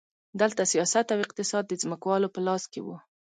دلته سیاست او اقتصاد د ځمکوالو په لاس کې وو.